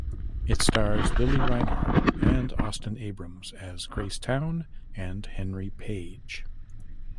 It stars Lili Reinhart and Austin Abrams as Grace Town and Henry Page.